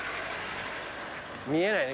見えないね